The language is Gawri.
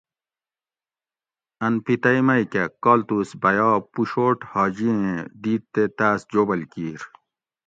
ان پتئی مئی کہ کالتوس بیا پوشوٹ حاجی ایں دیت تے تاۤس جوبل کیر